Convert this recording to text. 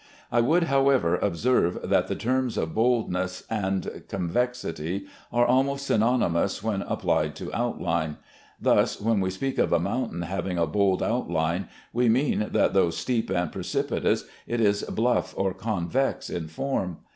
I would, however, observe that the terms boldness and convexity are almost synonymous when applied to outline; thus when we speak of a mountain having a bold outline, we mean that though steep and precipitous it is bluff or convex in form.